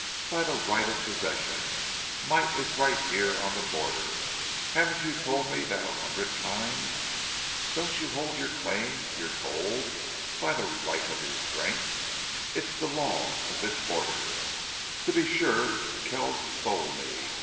"By the right of possession. Might is right here on the border. Haven't you told me that a hundred times? Don't you hold your claim your gold by the right of your strength? It's the law of this border. To be sure Kells stole me.